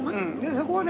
そこはね